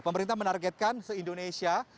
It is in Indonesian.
pemerintah menargetkan se indonesia